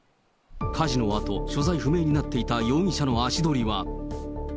火事のあと、所在不明になっていた容疑者の足取りは。